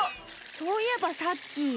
そういえばさっき。